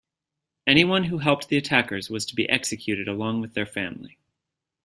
Anyone who helped the attackers was to be executed along with their family.